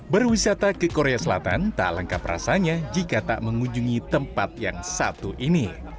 berwisata ke korea selatan tak lengkap rasanya jika tak mengunjungi tempat yang satu ini